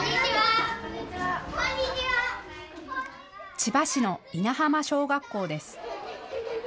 千葉市の稲浜小学校です。